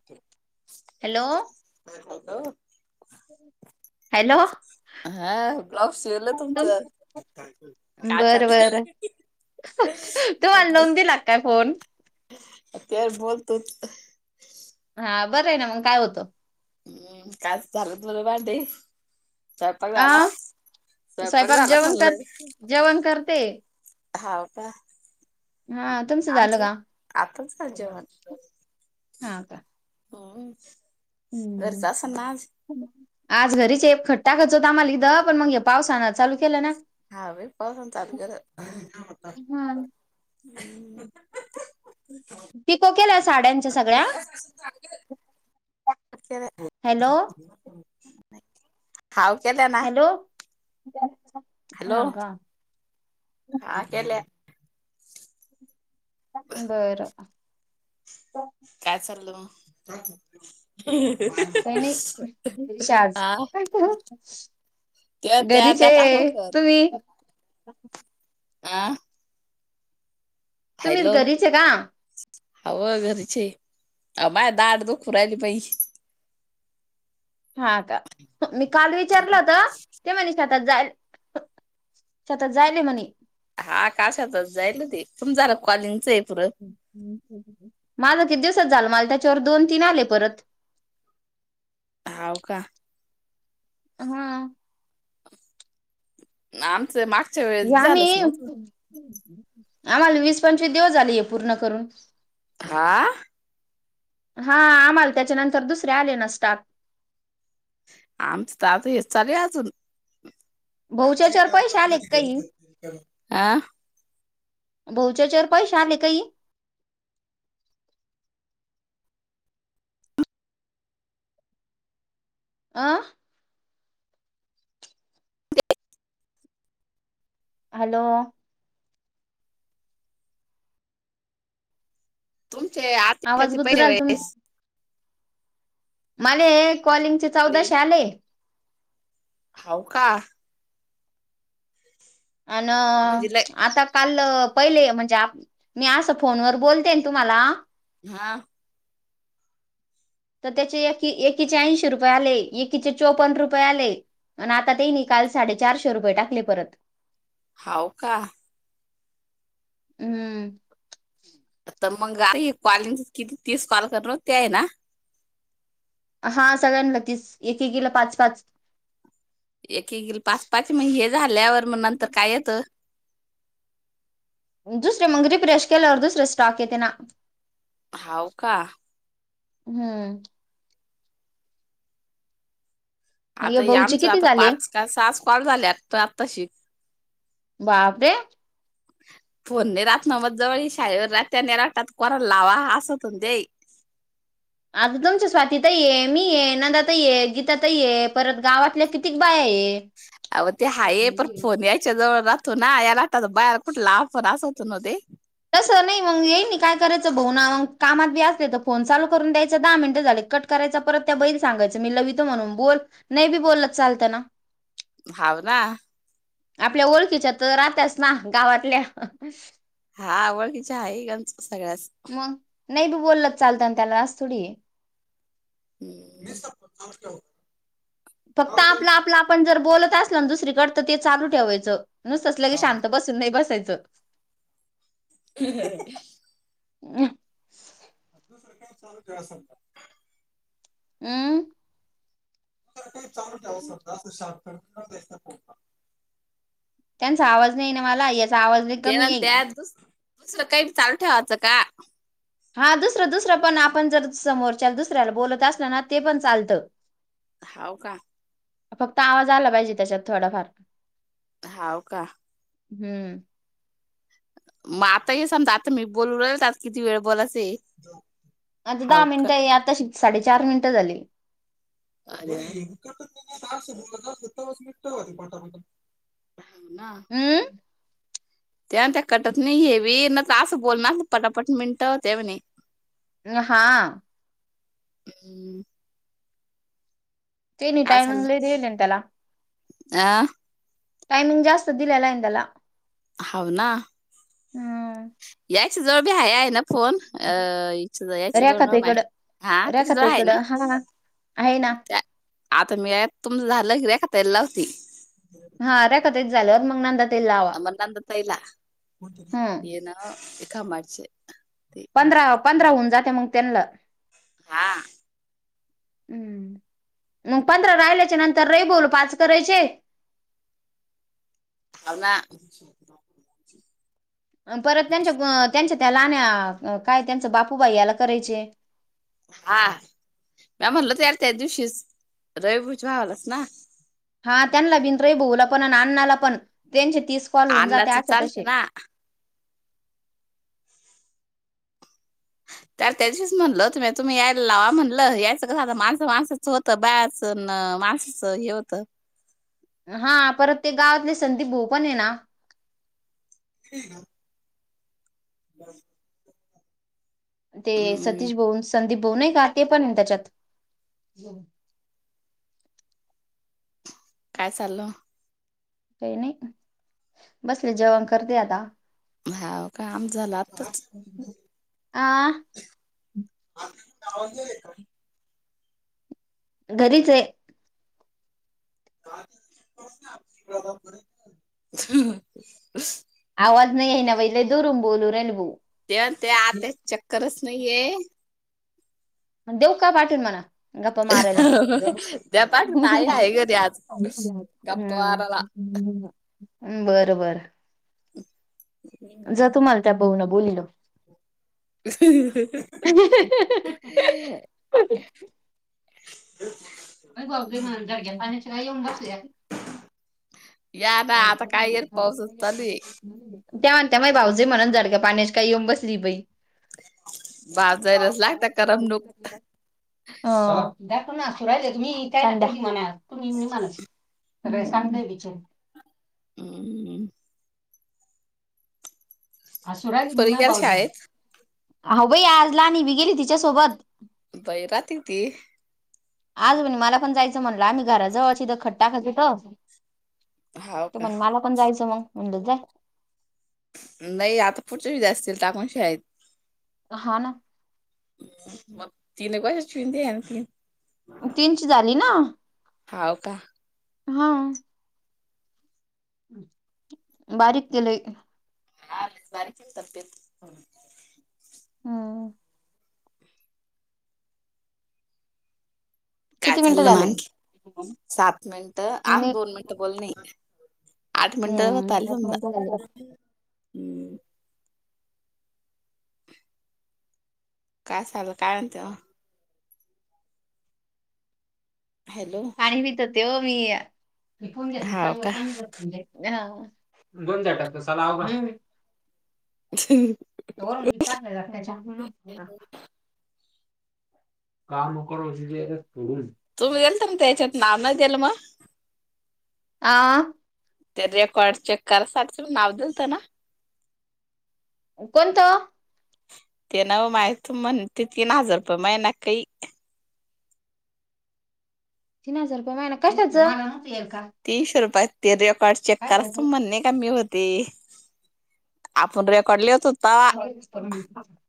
[unintelligible] Hello... हा hello हा... blouse शिवलं तुमचं काय बरं चाललंय बरं.... तुम्हाला लावून दिला काय फोन? तेच बोल तूच हा... बरं ए ना मग... काय होतं? हम्म.... टास्क झालंत... म्हणून भांडते स्वयंपाक आ झाला... स्वयंपाक झाला... जेवण कर खाल्लं जेवण करतेय हाव का? हा तुमचं झालं आमचं... का आताच झालं जेवण हा का हो... हम्म घरीच असाल ना आज? आज घरीच ए... खत टाकायचं होतं आम्हाला हीदं.. पण मग हे पावसानं... चालू केलं ना हा बाई पावसानं चालू केलं.... हा [unintelligible] पिको केल्या साड्यांच्या सगळ्या केल्या हॅलो हाव केल्या ना हॅलो हा हॅलो का हा केल्या बरं काय चाललं मग काही नाही घरीच आज आ तं... त्या... त्या घरीच टाक आहे तुम्ही [unintelligible] [unintelligible] आ तुम्हीच घरीच ए का? हावं... घरीच ए... अवो... मायी दाढ दुखू रायली... पण हा का... मी काल विचारलं होतं... ते म्हनी शेतात जायल शेतात जायेल ए म्हणे हा काशातच जाईल ना ते... तुमचं झाला का कॉलिंगचं हे पुरं? माझं किती दिवसाचं झालं... माला त्याच्यावर दोन तीन आले परत हव का? हा. आमचं माग या आम्ही आम्हाला वीस पंचवीस दिवस झाला हे पूर्ण करून. हा आ हा आम्हाला त्याच्यानंतर दुसरे आले ना स्टाक. आमचं तर आता हेच चाल अजून भाऊच्या याच्यावर पैसे आले का काही अ भाऊच्या याच्यावर पैसे आले काही आं. हॅलो. तुमचे आवाज आर्थिक गुतू पहिला राहिला वेळेस मलाया कॉलिंगचे वेळेस चौदाशे आले. हाऊ का? आण्णा म्हणजे लय आता काल पहिले म्हणजे आप मी असं फोनवर बोलते तुम्हाला हा. तर त्याचे एक एकीचे ऐंशी रुपये आले एकीचे चौपन्न रुपये आले. आणि आता तिने काल साडेचारशे रुपये टाकले परत होऊ का? हम्म. तर मगं ऐक कॉलिंग किती तीस कॉल करणार ते 'हाय ना हा सगळ्यांना तीच एकेकीला पाच पाच एकेकीला पाच पाच मग हे झाल्यावर मग नंतर काय येतं. दुसरे मग री फ्रेश केलंवर दुसरे स्टॉक येते ना. होऊ का? हम्म. हे आता या भाऊचे आमचं किती आता झाले पाच का सहाच कॉल झाल्यात आता आता तशी बापरे ह् [inaudible] फोनने राहात ना मग जवळी शाळेवर रात्याने जातात कोणाला लावा असत हो दे. आता तुमच्या स्वाती ताई आहे मी ये नंदाताई ये गीता ताई ये परत गावातल्या कितीक बाय आहे. अहो ते हाय पर फोन यायच्या जवळ तू ना यायलाटता त बाहेर कुठला आपण अस होतो न ते तसं नाही मग येई नाही, काय करायचं भाऊंना मग कामात बी असते तर फोन चालू करून द्यायचं दहा मिनिटं झाले कट. करायचा परत त्या बाईला सांगायचं मी लवितो म्हणून बोल नाही बी बोललत चालतं ना. होऊ ना. आपल्या ओळखीच्या तर राहतच ना गावातल्या हां आवडीच्यां आहे यांचं सगळ्यांस नाहीं बी बोललं चालतं त्यांला असं थोडी है. मी सबं टवं टवं. फक्तं आपलां आपलां आपणं जर बोलतं असलं नां दुसरीकडं तरं ते चालूं ठेवायचं न तसलं की शांत बसं. नाही बसायचं. हिहि [unintelligible] [unintelligible] [unintelligible] हम काही चालू ठिव शकता सारख गिन्हाईक लय असतं. त्यांचा आवाज नाहीं नां मला यांचा आवाज लयं कमी है. अ [unintelligible] सकाळी चहा ठेवायचं कां? हा दुसरं दुसरं पणं आपणं जर समोरच्यां दुसऱ्यांला बोलतं असलं नां ते पणं चालतं. हांव कां? फक्तं आवाज आला पाहिजे त्यांच्यांत थोडा फार हांव कां? हम्मं. मगं आता हे सांगतं आता मी बोलू राहिल आता किती वेळ बोलाचं है. आता दहा मिनिटं आता साडेचार मिनिटं झालीं. अार सत्तास पटापटा [unintelligible] हो नां हम्म ते त्यां कटतं नाहीं हेवी न तरं असं बोलणार पटापट मिंटते होतात म्हणे [unintelligible] नहां हम्मं तेनी टायमिंग लयं दिलेल आहे त्यांला आ टायमिंग जास्तं दिलेला आहे त्यांला हवं नां हम्म याचं जवळ भी आहे आहे नां फोन अ इ यांची जवळ न माय रेखाताईकडं हां त्यांच्या जवळ आहे नां रेखाताईकडं हा आहे नां आता मी तुमचं झालं कि त्याले लावती हा त्यांच झाल्यावर मगं नंदा आ मगं नंदाताईला हम्म येन कायं कामाचे पंधरा पंधरा होऊन जाते मगं त्यांनां हां हम्मं मगं पंधरा राहिल्यांचे नंतर रवीभाऊले पांच करायचे ह ना [unintelligible] परतं त्यांच्यां त्यांच्यां त्यां लाहाण्यां कायं त्यांचं बापूभयांले करायचे हा रहा म म्हणल तरं त्यां दिवशीच रविभुज व्हावालांच नां हा त्यांना बिंण रविभाऊला पणं अण्नांला पणं त्यांचे तीस कॉल होऊन जाते अन्नाचं आत्या तसें चालतं ना तर त्यां दिवशी म्हणंल तुम्ही यायला लावा म्हणलं यायचं कसं माणसं माणसांच होतं बायाचं तणं माणसांच हे होतं हां परतं ते गावांतले संदीप भाऊ पणं आहे नां ह [unintelligible] बर [unintelligible] ते सतीश भाऊ संदीप भाऊ नयंकां ते पणं आहे त्यांच्यांत काय चाललं काही नाही बसले जेवण करते आता हाव काम झालं आत्ताच आ आ आवाजेयेयं का घरीच रे ह [unintelligible] [unintelligible] आवाज नाहीं आहे नां बाई लयं जोरूत बोलू राहीली भाऊ तेण ते आत्या चक्करंच लयं है देऊ कां पाठून म्हणा गपा मारायंला द्या पाठवून आई आहे घरी आज हम्मं गप्पा मारायला. हम्मं बरं बरं ह् [unintelligible] ज तुम्हाला त्या बह ना बोललो हि हि ह ह ह [inaudible] हशी अ ब्याब झाल्या पाण्याची काय येऊन बसल्यास या आता आता काय येर पाऊसच चालू हाये त्या म्हण त्या मै भाऊजे म्हणून जड ग्या पाण्या काय येऊन बसली बाई बाजारलाच लागता करमणूक दाखव ना असू राहिले तुम्ही का म्हणा तुम्ही म्ह माणसा [unintelligible] रेशम देवीचे हम् ह सुराज मी पोरी मा गेल्या पा शाळेत हो भाई आजला आणि मी गेली तिच्यासोबत [unintelligible] बाै राात ती [unintelligible] आज म्हण मला पण जायचं म्हणलं आम्ही घराजवळचीथं खट्टा खाचोत. हाव ते का म्हणल मला पण जायचंन मग म्हणलंच जा [unintelligible] नाही आता पुढच्या वेळी जास्त येईल [unintelligible] आहेत हा ना. म तिने काये चुन्डे आणती. [unintelligible] तीनची झाली ना आ. हाव का. हा. बारीक केलोय. आधीच बारीक हाय तब्बेत. हम. काय किती मिनिटं चाललं झाले मग नाही सात मिनिट आन नाही दोन मिनिट बोलनेयत. आठ मिनट झालीत हम्म, आठ मिनिटं झाले. आत्ता. काय चालय काय म्हणताय मग. [unintelligible] हॅलो. पानी पीत होते ओ मी. हाव का [unintelligible] हा. [inaudible] छ ह. होन चां न. [inaudible] काम करून शिकली असतीत. [unintelligible] तुम्ही गेलत न तेच्यात मग नाव नाही दिल [unintelligible] मग. आ ते रेकॉर्ड चेक करासाठच्या नाव दिलत ना. [unintelligible] कोणत? ते नवं माई तू म्हणती तीन हजार रुपय मैना कै. [unintelligible] तीन हजार रुपये महिना कशाचं? [unintelligible] तीनश रुपया ते रेकॉर्ड चेक कर त म्हण नाही कमी होत. ते आपण रेकॉर्ड लत होता ते. [unintelligible] [inaudible]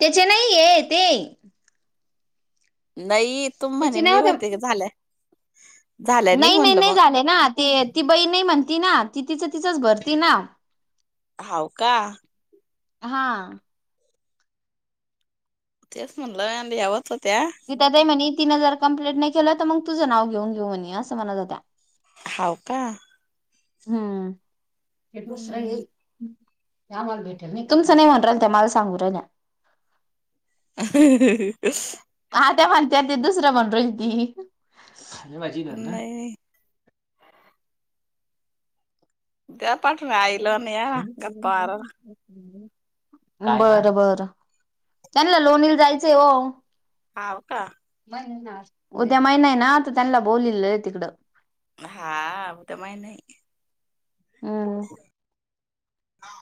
त्याचे नाही ये ते. नाही तुम म्हणे त्याचे नाही मी होते कि झालं. नाही नाही नाही झाले ना ति ती बई नाही म्हणती ना ती तिचं तिचंच बरतीना. [unintelligible] हाव का. हा. तेच म्हणलं देवत होत्या [unintelligible] गीता ताई म्हणी तीन जर कंप्लिट नाय केली तर मग तुज नाव घेऊन घेऊन येई असं म्हणतं होत्या. [unintelligible] हाव का. हम्म हे तश्र. हम्म ला भेटेल मी तुमचं नाही म्हण राल ते मला सांगू रा्या. [unintelligible] आ त्या म्हणते ते दुसरं म्हण रोय त. नाही ्या पाठण आईल नाही या गप्पाार. बरं बर त्यांनला लोणीला जायचंय हो. हाव का म उद्या महिना आहे ना आता त्यांना बोलोललं आहे तिकडं. हा उद माय नाही. हम्. हा.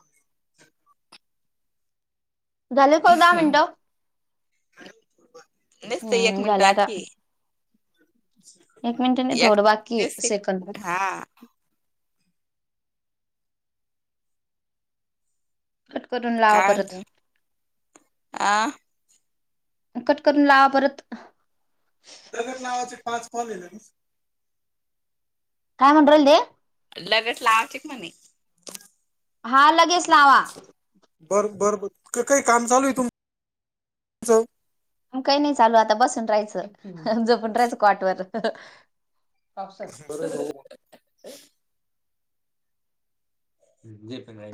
झाले ख दहा मिनटं. नुसतं एक हम् मिनिट घला का. बाकी एक मिनटने दोड बाकीि सेकंद. एक हा कट करून लावा काय परत. म्हणते? आ कट करून लावा परत. दगत नावाचे पाच पनल. काय म्हणटरल ते. लगत लावचिक म्हणे. हा लगेच लावा. बर बरं बर काही काम चालू आहे तुमच. काही नाही चालू आता बसून राहायचं जपून राहायचं कॉट वर. अफसेच. हो. हम ज पण.